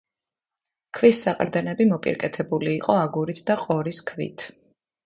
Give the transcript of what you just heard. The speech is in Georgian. ქვის საყრდენები მოპირკეთებული იყო აგურით და ყორის ქვით.